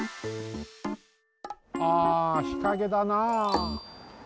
ああ日陰だなあ。